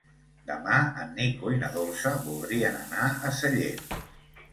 Demà en Nico i na Dolça voldrien anar a Sellent.